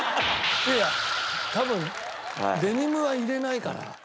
いやいや多分デニムは入れないかな。